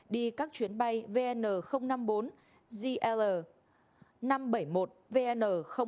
đi các chuyến bay vn năm mươi bốn zl năm trăm bảy mươi một vn một mươi tám